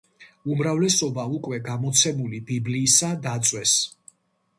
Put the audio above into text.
უმრავლესობა უკვე გამოცემული ბიბლიისა დაწვეს.